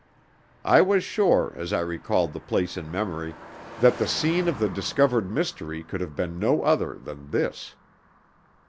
I was sure, as I recalled the place in memory, that the scene of the discovered mystery could have been no other than this.